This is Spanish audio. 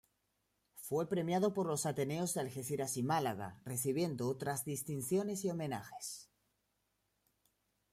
Fue premiado por los Ateneos de Algeciras y Málaga, recibiendo otras distinciones y homenajes.